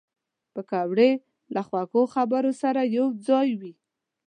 پکورې له خوږو خبرو سره یوځای وي